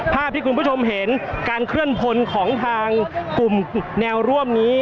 ภาพที่คุณผู้ชมเห็นการเคลื่อนพลของทางกลุ่มแนวร่วมนี้